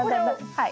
はい。